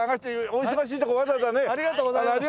お忙しいとこわざわざねありがとうございます。